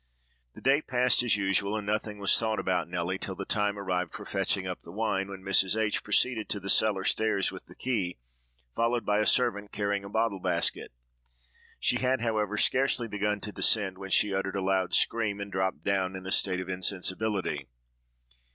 The day passed as usual, and nothing was thought about Nelly, till the time arrived for fetching up the wine, when Mrs. H—— proceeded to the cellar stairs with the key, followed by a servant carrying a bottle basket. She had, however, scarcely begun to descend, when she uttered a loud scream and dropped down in a state of insensibility.